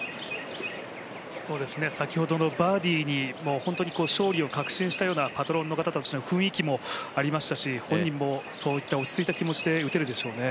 先ほどのバーディーに勝利を確信したようなパトロンの方たちの雰囲気もありましたし本人もそういった落ち着いた気持ちで打てるでしょうね。